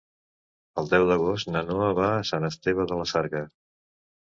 El deu d'agost na Noa va a Sant Esteve de la Sarga.